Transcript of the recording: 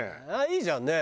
いいじゃんね。